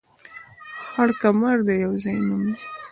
خړ کمر د يو ځاى نوم دى